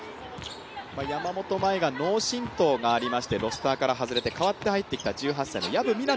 山本麻衣が脳震とうがありましてロースターから外れて代わって入ってきた１８歳の薮未奈